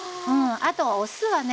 あとお酢はね